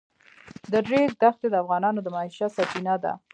د ریګ دښتې د افغانانو د معیشت سرچینه ده.